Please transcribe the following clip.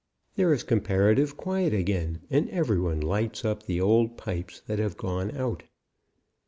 There is comparative quiet again, and every one lights up the old pipes that have gone out.